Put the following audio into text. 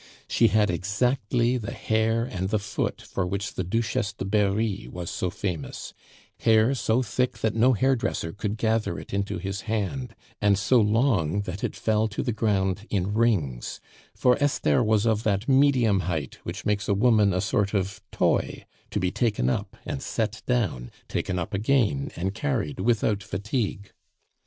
She had exactly the hair and the foot for which the Duchesse de Berri was so famous, hair so thick that no hairdresser could gather it into his hand, and so long that it fell to the ground in rings; for Esther was of that medium height which makes a woman a sort of toy, to be taken up and set down, taken up again and carried without fatigue.